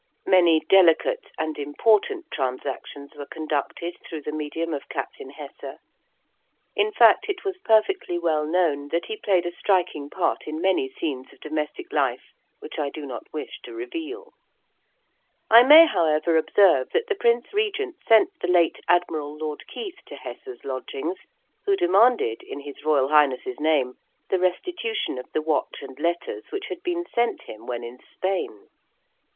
Many delicate and important transactions were conducted through the medium of Captain Hesse; in fact, it was perfectly well known that he played a striking part in many scenes of domestic life which I do not wish to reveal. I may, however, observe that the Prince Regent sent the late Admiral Lord Keith to Hesse's lodgings, who demanded, in his Royal Highness's name, the restitution of the watch and letters which had been sent him when in Spain.